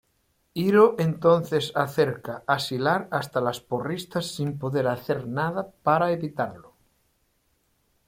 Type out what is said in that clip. Hiro entonces acerca a Sylar hasta las porristas sin poder hacer nada para evitarlo.